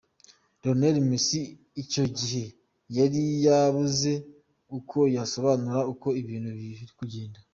Lionel Messi icyo gihe yari yabuze uko yasobanura uko ibintu biri kugenda.